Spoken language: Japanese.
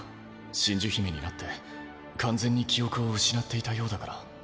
真珠姫になって完全に記憶を失っていたようだから。